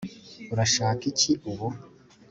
urashaka iki ubu